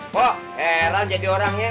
po heran jadi orangnya